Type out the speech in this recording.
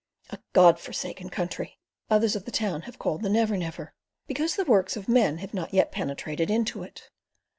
"A God forsaken country," others of the town have called the Never Never, because the works of men have not yet penetrated into it.